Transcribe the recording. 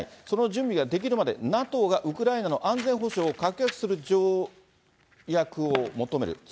その準備ができるまで、ＮＡＴＯがウクライナの安全保障を確約する条約を求める。